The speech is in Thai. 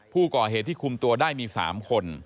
ผู้ก่อเหตุที่คุมตัวได้มี๓คน